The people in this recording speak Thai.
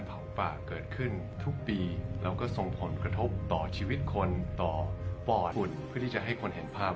ของฝ่าเกิดขึ้นทุกปีแล้วส่งผลกระทบต่อชีวิตคนต่อฟอตขุ่นไปจะให้คนเห็นภาพ